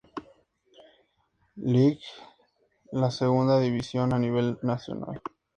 Lig, la segunda división a nivel nacional.